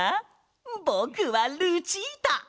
ぼくはルチータ。